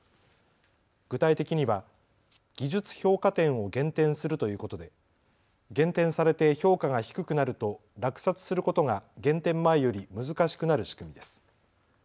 具体的には技術評価点を減点するということで、減点されて評価が低くなると落札することが減点前より難しくなる仕組みです。